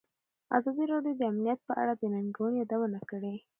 ازادي راډیو د امنیت په اړه د ننګونو یادونه کړې.